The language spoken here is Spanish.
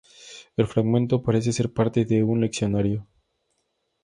El fragmento parece ser parte de un leccionario.